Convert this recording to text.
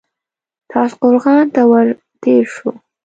تاشقرغان ته ور تېر شو.